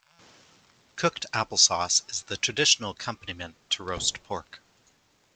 Cooked apple sauce is the traditional accompaniment to roast pork.